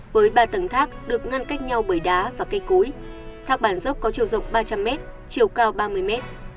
với ba tầng thác được ngăn cách nhau bởi đá và cây cối thác bản dốc có chiều rộng ba trăm linh mét chiều cao ba mươi mét